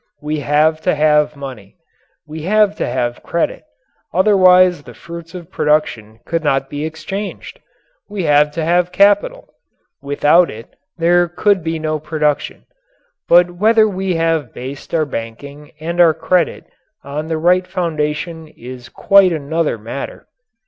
We have to have money. We have to have credit. Otherwise the fruits of production could not be exchanged. We have to have capital. Without it there could be no production. But whether we have based our banking and our credit on the right foundation is quite another matter.